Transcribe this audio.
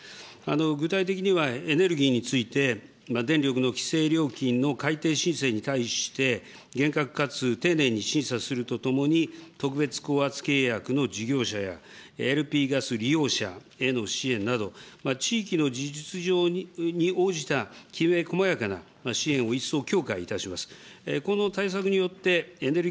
具体的にはエネルギーについて、電力の規制料金の改定申請に関して、厳格かつ丁寧に審査するとともに、特別高圧契約の事業者や、ＬＰガス利用者への支援など、地域の実情に応じたきめこまやかな支援を一層強化いたします。